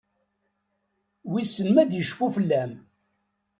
Wissen ma ad icfu fell-am?